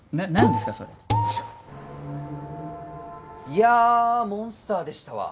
いやモンスターでしたわ。